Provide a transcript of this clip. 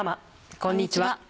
こんにちは。